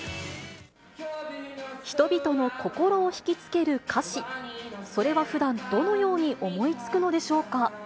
人々の心を引き付ける歌詞、それはふだん、どのように思いつくのでしょうか。